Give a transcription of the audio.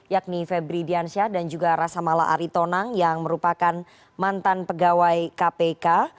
yakni febri diansyah dan juga rasa mala aritonang yang merupakan mantan pegawai kpk